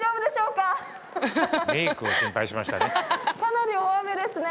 かなり大雨ですね。